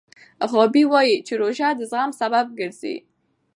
غابي وايي چې روژه د زغم سبب ګرځي.